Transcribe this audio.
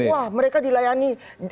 wah mereka dilayani